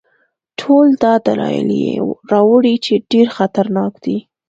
ټول دا دلایل یې راوړي چې ډېر خطرناک دی.